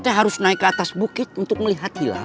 kita harus naik ke atas bukit untuk melihat hilal